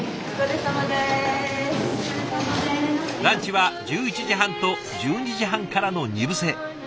ランチは１１時半と１２時半からの２部制。